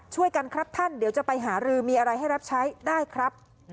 ช่วยกันครับท่านเดี๋ยวจะไปหารือมีอะไรให้รับใช้ได้ครับ